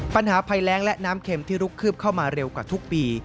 ปัญหาภัยแรงและน้ำเข็มที่ลุกคืบเข้ามาเร็วกว่าทุกปี